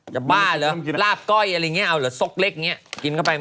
อย่าบ้าเหรอลาบก้อยอะไรอย่างเงี้ยเอาเหรอสกเล็กอย่างเงี้ย